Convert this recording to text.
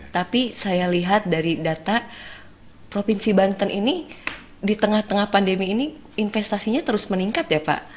tapi saya lihat dari data provinsi banten ini di tengah tengah pandemi ini investasinya terus meningkat ya pak